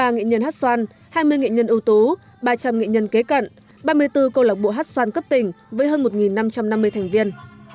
ba nghệ nhân hát xoan hai mươi nghệ nhân ưu tú ba trăm linh nghệ nhân kế cận ba mươi bốn câu lạc bộ hát xoan cấp tỉnh với hơn một năm trăm năm mươi thành viên